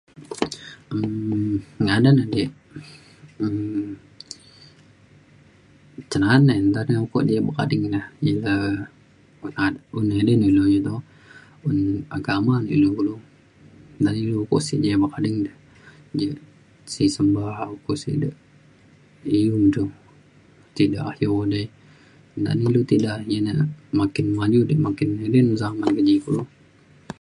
um ngadan ake um cin na’an de nta ukok di bek ading na ya ja [unintelligible] ilu un agama di kulu nta pe ilu ukok sik je ading je si semba ukok sek de iu re tiga [unintelligible] di da na ilu tiga makin maju di makin sama ke ji kulu